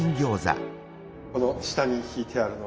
あの下にひいてあるのは。